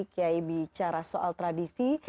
kiai bicara soal tradisi